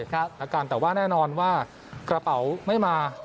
แต่แน่นอนว่ากระเป๋าไม่มา